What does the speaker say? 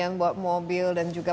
yang buat mobil dan juga